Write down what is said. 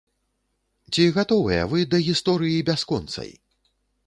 Ці гатовыя вы да гісторыі бясконцай?